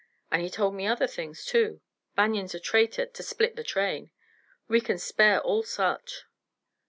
And he told me other things too. Banion's a traitor, to split the train. We can spare all such."